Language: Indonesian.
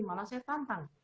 malah saya tantang